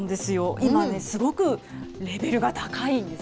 今ね、すごくレベルが高いんです